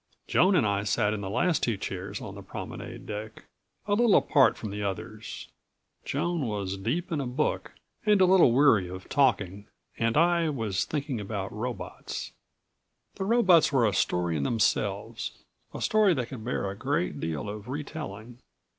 Joan and I sat in the last two chairs on the promenade deck, a little apart from the others. Joan was deep in a book and a little weary of talking and I ... was thinking about the robots. The robots were a story in themselves a story that could bear a great deal of re telling.